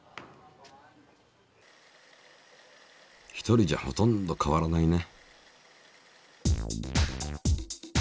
１人じゃほとんど変わらないね。